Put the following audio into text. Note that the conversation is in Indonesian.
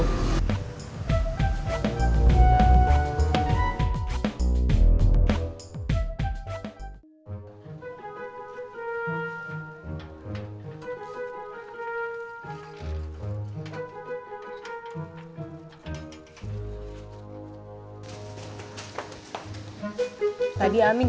tadi amin ditanyain teh kinanti